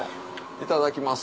いただきます。